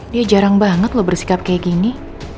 dia jarang banget loh bersikap kayak gini